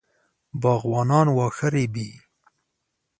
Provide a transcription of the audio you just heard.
باغوانان واښه رېبي.